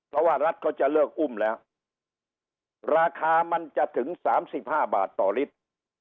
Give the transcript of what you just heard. เพราะว่ารัฐเขาจะเลิกอุ้มแล้วราคามันจะถึง๓๕บาทต่อลิตร